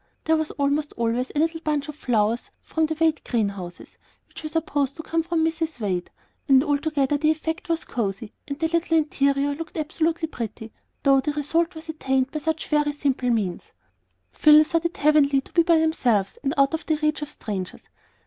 There was almost always a little bunch of flowers from the Wade greenhouses, which were supposed to come from Mrs. Wade; and altogether the effect was cosey, and the little interior looked absolutely pretty, though the result was attained by such very simple means. Phil thought it heavenly to be by themselves and out of the reach of strangers.